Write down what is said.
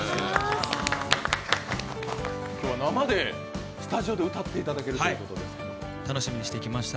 今日は生でスタジオで歌っていだけるということで楽しみにしてきました。